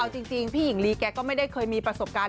เอาจริงพี่หญิงลีแกก็ไม่ได้เคยมีประสบการณ์